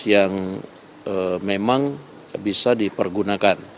yang memang bisa dipergunakan